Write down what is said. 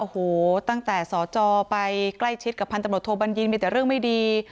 โหตั้งแต่สจไปใกล้ชิดกับพตบยมีแต่เรื่องไม่ดี